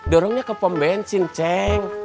dorongnya ke pom bensin ceng